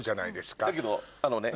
だけどあのね。